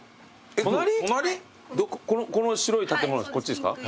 この白い建物こっちですか？